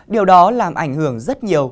điều đó làm ảnh hưởng rất nhiều